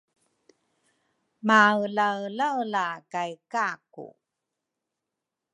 maelaelaela kay Kaku.